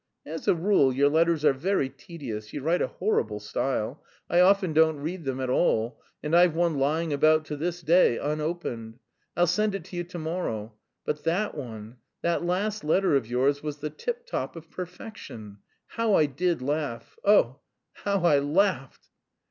As a rule your letters are very tedious. You write a horrible style. I often don't read them at all, and I've one lying about to this day, unopened. I'll send it to you to morrow. But that one, that last letter of yours was the tiptop of perfection! How I did laugh! Oh, how I laughed!"